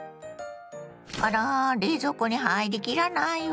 あら冷蔵庫に入り切らないわ。